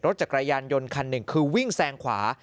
จักรยานยนต์คันหนึ่งคือวิ่งแซงขวา